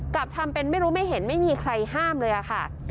ทำเป็นไม่รู้ไม่เห็นไม่มีใครห้ามเลยค่ะ